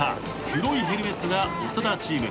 黒いヘルメットが長田チーム。